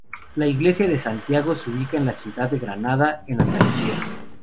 La iglesia de Santiago se ubica en la ciudad de Granada, en Andalucía.